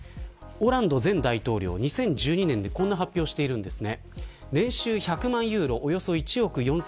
オランド前大統領、２０１２年にこんな発表してるんですね。